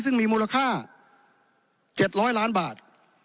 ซึ่งมีมูลค่าเจ็ดร้อยล้านบาท